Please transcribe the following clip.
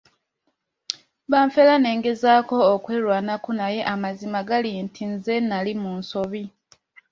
Banfera ne ngezaako okwerwanako naye amazima gali nti nze nnali mu nsobi.